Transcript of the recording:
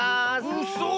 うそ。